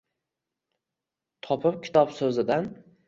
Topib kitob so’zidan